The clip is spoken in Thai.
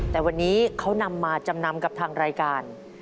แต่วันนี้เขานำมาจำนำกับทางรายการ